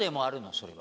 それは。